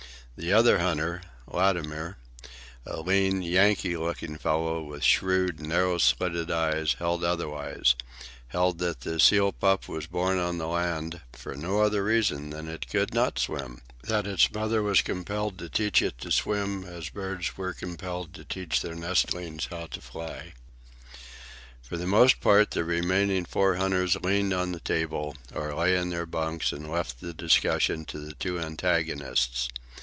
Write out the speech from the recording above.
The other hunter, Latimer, a lean, Yankee looking fellow with shrewd, narrow slitted eyes, held otherwise, held that the seal pup was born on the land for no other reason than that it could not swim, that its mother was compelled to teach it to swim as birds were compelled to teach their nestlings how to fly. For the most part, the remaining four hunters leaned on the table or lay in their bunks and left the discussion to the two antagonists.